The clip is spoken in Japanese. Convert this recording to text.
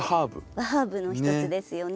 和ハーブの一つですよね。